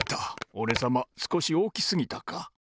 おれさますこしおおきすぎたか。